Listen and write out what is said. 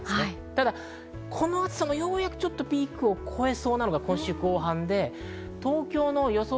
ただこの暑さもようやくピークを超えそうなのが今週後半で、東京の予想